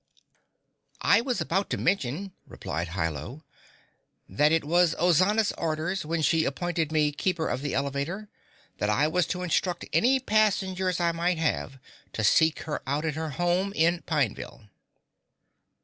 "I was about to mention," replied Hi Lo, "that it was Ozana's orders when she appointed me Keeper of the Elevator that I was to instruct any passengers I might have to seek her out at her home in Pineville."